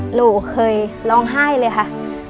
หนูเคยร้องไห้เลยค่ะ